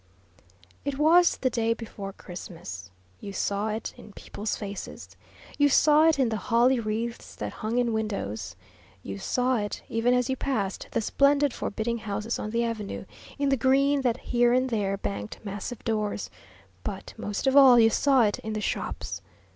It was the day before Christmas. You saw it in people's faces; you saw it in the holly wreaths that hung in windows; you saw it, even as you passed the splendid, forbidding houses on the avenue, in the green that here and there banked massive doors; but most of all, you saw it in the shops.